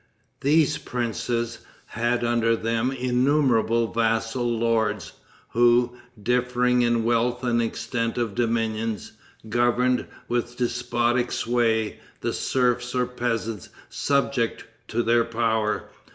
These princes had under them innumerable vassal lords, who, differing in wealth and extent of dominions, governed, with despotic sway, the serfs or peasants subject to their power.